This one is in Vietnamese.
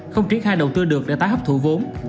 không triển khai đầu tư được để tái hấp thụ vốn